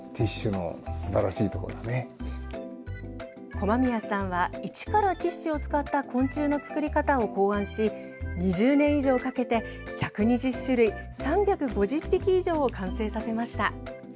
駒宮さんは、一からティッシュを使った昆虫の作り方を考案し２０年以上かけて１２０種類、３５０匹以上を完成させました。